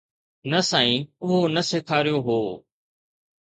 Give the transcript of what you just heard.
نه سائين اهو نه سيکاريو هو